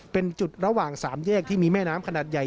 เป็นจุดระหว่าง๓แยกที่มีแม่น้ำขนาดใหญ่